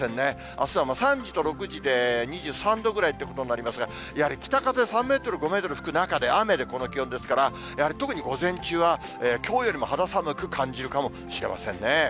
あすは３時と６時で、２３度ぐらいということになりますが、やはり北風３メートル、５メートル、吹く中で雨でこの気温ですから、やはり特に午前中は、きょうよりも肌寒く感じるかもしれませんね。